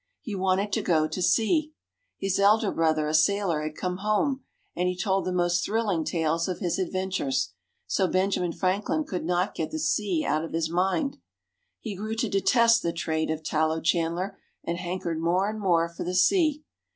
He wanted to go to sea. His elder brother, a sailor, had come home; and he told the most thrilling tales of his adventures. So Benjamin Franklin could not get the sea out of his mind. He grew to detest the trade of tallow chandler, and hankered more and more for the sea.